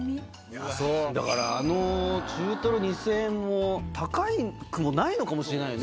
だから中トロ２０００円も高くもないのかもしれないね。